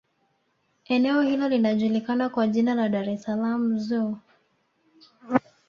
eneo hilo linajukikana kwa jina la dar es salaam zoo